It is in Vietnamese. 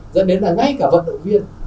dẫn đến là ngay cả vận động viên